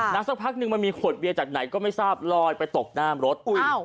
สักพักนึงมันมีขวดเบียร์จากไหนก็ไม่ทราบลอยไปตกน้ำรถ